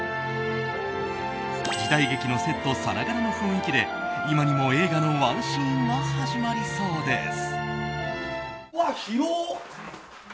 時代劇のセットさながらの雰囲気で今にも映画のワンシーンが始まりそうです。